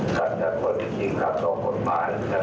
แต่ถ้าคนพิธีนครับต่อกดมานะครับ